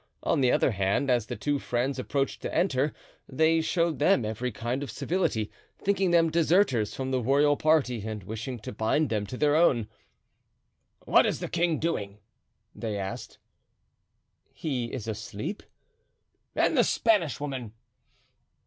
On the other hand, as the two friends approached to enter, they showed them every kind of civility, thinking them deserters from the royal party and wishing to bind them to their own. "What is the king doing?" they asked. "He is asleep." "And the Spanish woman?"